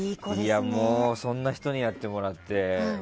そんな人にやってもらって。